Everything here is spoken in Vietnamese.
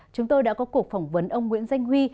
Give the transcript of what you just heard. chúng tôi đã có cuộc phỏng vấn ông nguyễn danh huy